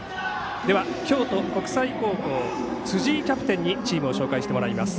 では、京都国際高校辻井キャプテンにチームを紹介してもらいます。